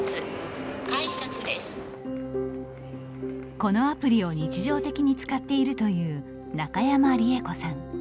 このアプリを日常的に使っているという中山利恵子さん。